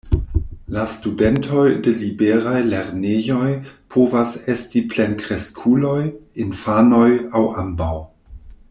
La studentoj de liberaj lernejoj povas esti plenkreskuloj, infanoj aŭ ambaŭ.